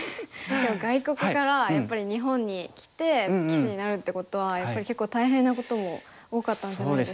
外国からやっぱり日本に来て棋士になるってことはやっぱり結構大変なことも多かったんじゃないですか。